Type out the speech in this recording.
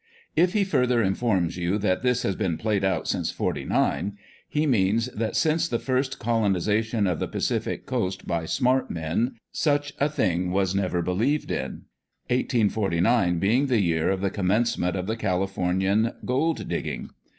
If he further informs you that "this has been played out since '49," he means that since the first coloni sation of the Pacific coast by " smart men," such a thing was never believed in : 1849 being the year of the commencement of the Cali fornian gold digging.